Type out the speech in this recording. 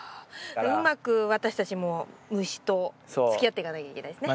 うまく私たちも虫とつきあっていかなきゃいけないですね。